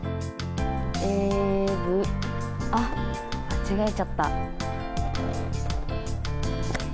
エブ、あっ、間違えちゃった。